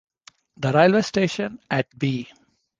The railway station at B.